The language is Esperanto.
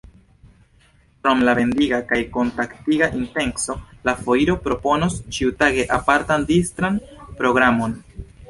Krom la vendiga kaj kontaktiga intenco, la foiro proponos ĉiutage apartan distran programon.